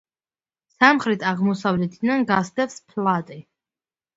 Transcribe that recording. სამხრეთ-აღმოსავლეთიდან გასდევს ფლატე.